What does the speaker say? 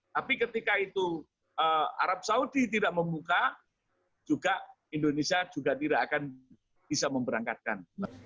tapi ketika itu arab saudi tidak membuka indonesia juga tidak akan bisa memberangkatkan